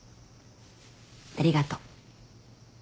ありがとう。